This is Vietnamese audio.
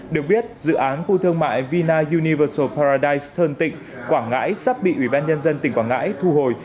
được biết dự án khu thương mại vina universal paradite sơn tịnh quảng ngãi sắp bị ủy ban nhân dân tỉnh quảng ngãi thu hồi